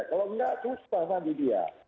kalau tidak susah lagi dia